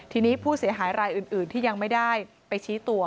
ทีนี้ผู้เสียหายรายอื่นที่ยังไม่ได้ไปชี้ตัว